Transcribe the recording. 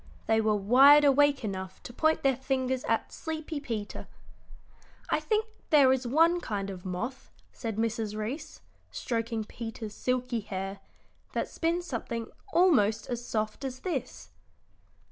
They were wide awake enough to point their fingers at sleepy Peter. "I think there is one kind of moth," said Mrs. Reece, stroking Peter's silky hair, "that spins something almost as soft as this."